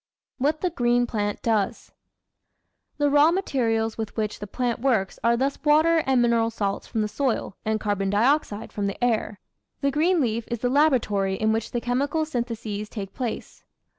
What the Green Plant Does The raw materials with which the plant works are thus water and mineral salts from the soil and carbon dioxide from the air. The green leaf is the laboratory in which the chemical syntheses take place.